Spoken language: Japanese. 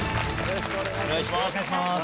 よろしくお願いします。